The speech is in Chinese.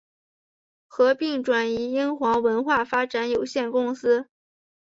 合并移转英皇文化发展有限公司。